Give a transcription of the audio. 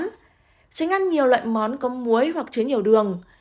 tránh ăn nhiều loại món có muối hoặc chứa nhiều đường